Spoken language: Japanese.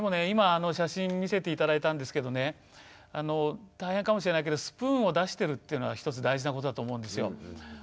今写真見せて頂いたんですけどね大変かもしれないけどスプーンをだしてるっていうのはひとつ大事なことだと思うんですよ。